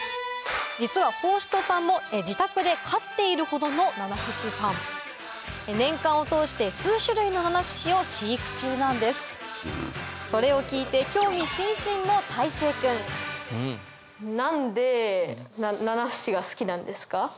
実は法師人さんも自宅で飼っているほどのナナフシファン年間を通して数種類のナナフシを飼育中なんですそれを聞いて興味津々の泰成君うん。